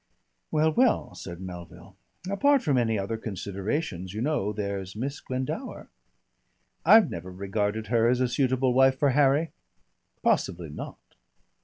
_" "Well, well," said Melville. "Apart from any other considerations, you know, there's Miss Glendower." "I've never regarded her as a suitable wife for Harry." "Possibly not.